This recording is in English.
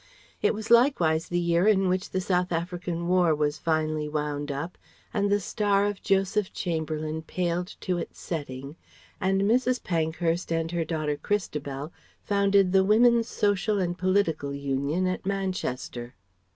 It was likewise the year in which the South African War was finally wound up and the star of Joseph Chamberlain paled to its setting, and Mrs. Pankhurst and her daughter Christabel founded the Women's Social and Political Union at Manchester.